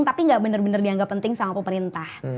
tapi gak bener bener dianggap penting sama pemerintah